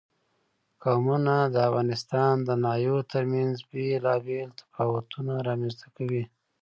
قومونه د افغانستان د ناحیو ترمنځ بېلابېل تفاوتونه رامنځ ته کوي.